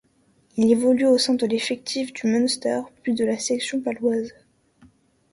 Il évolue au sein de l’effectif du Munster puis de la Section paloise.